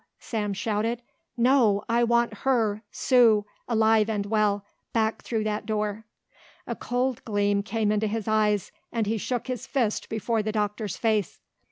Sam shouted. "No! I want her Sue alive and well, back through that door." A cold gleam came into his eyes and he shook his fist before the doctor's face.